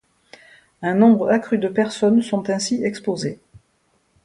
Un nombre accru de personnes sont ainsi exposées.